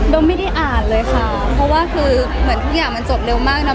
ไม่ได้อ่านเลยค่ะเพราะว่าคือเหมือนทุกอย่างมันจบเร็วมากนะ